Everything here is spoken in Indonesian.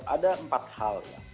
ada empat hal